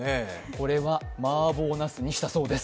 これはマーボーなすにしたそうです。